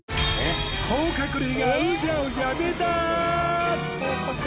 甲殻類がうじゃうじゃ出た！